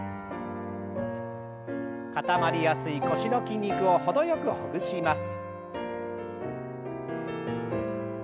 固まりやすい腰の筋肉を程よくほぐします。